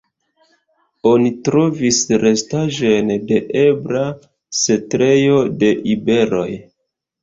Oni trovis restaĵojn de ebla setlejo de iberoj.